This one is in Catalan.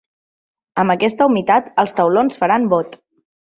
Amb aquesta humitat els taulons faran bot.